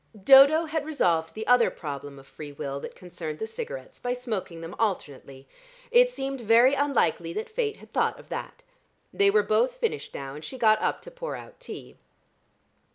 Dodo had resolved the other problem of free will that concerned the cigarettes by smoking them alternately. It seemed very unlikely that Fate had thought of that. They were both finished now, and she got up to pour out tea.